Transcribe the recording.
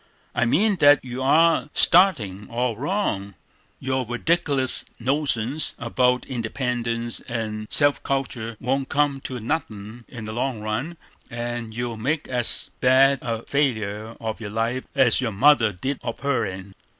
"I mean that you are startin' all wrong; your redic'lus notions about independence and self cultur won't come to nothin' in the long run, and you'll make as bad a failure of your life as your mother did of her'n."